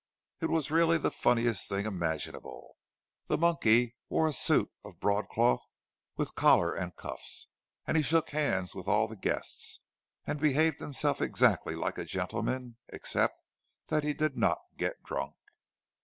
It was really the funniest thing imaginable; the monkey wore a suit of broad cloth with collar and cuffs, and he shook hands with all the guests, and behaved himself exactly like a gentleman—except that he did not get drunk.